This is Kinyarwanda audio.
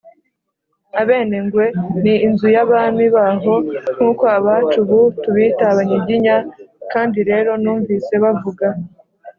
abenengwe, ni inzu y’abami baho, nk’uko abacu ubu tubita abanyiginya. kandi rero numvise bavuga